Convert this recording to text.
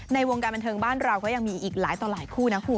ในวงการบันเทิงบ้านเราก็ยังมีอีกหลายต่อหลายคู่นะคุณ